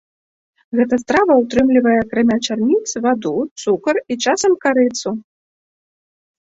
Гэта страва ўтрымлівае акрамя чарніц ваду, цукар і часам карыцу.